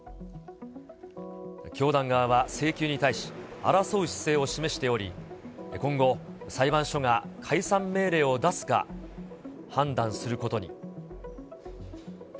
教団側は請求に対し、争う姿勢を示しており、今後、裁判所が解散命令を出すか判断することに。